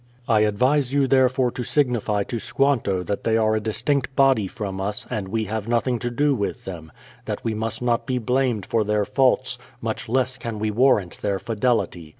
I advise you therefore to signify to Squanto that they are a distinct body from us, and we have nothing to do with them; that we must not be blamed for their faults,— much less can we warrant their fidelity.